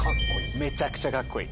めちゃくちゃカッコいい。